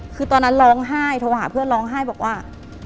คือตอนนั้นร้องไห้โทรหาเพื่อนร้องไห้บอกว่า